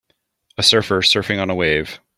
A surfer surfing on a wave.